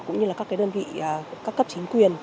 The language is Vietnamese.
cũng như các đơn vị các cấp chính quyền